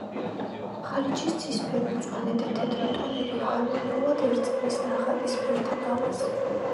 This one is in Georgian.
ხალიჩის ცისფერი, მწვანე და თეთრი ტონები ჰარმონიულად ერწყმის ნახატის ფერთა გამას.